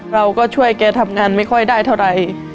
เราก็ช่วยแกทำงานไม่ค่อยได้เท่าไหร่